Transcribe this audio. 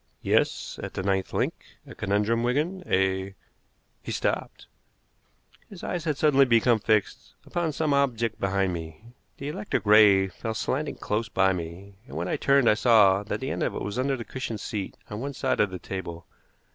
"Yes, at the ninth link. A conundrum, Wigan. A " He stopped. His eyes had suddenly become fixed upon some object behind me. The electric ray fell slanting close by me, and when I turned I saw that the end of it was under the cushioned seat on one side of the table.